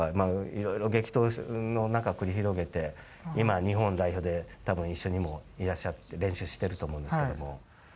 色々、激闘を繰り広げて今、日本代表で多分、一緒にもういらっしゃって練習してると思うんですけども。